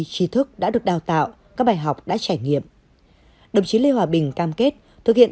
trí thức đã được đào tạo các bài học đã trải nghiệm đồng chí lê hòa bình cam kết thực hiện